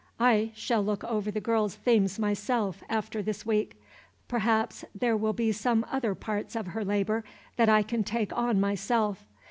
I shall look over the girls' themes myself, after this week. Perhaps there will be some other parts of her labor that I can take on myself.